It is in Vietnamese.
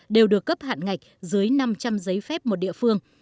đều được cấp hạn ngạch dưới năm trăm linh giấy phép một địa phương